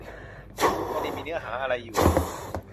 ไม่ได้มีเนื้อหาอะไรอยู่